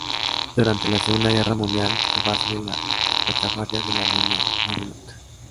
Durante la Segunda Guerra Mundial fue base de retaguardia de la Línea Maginot.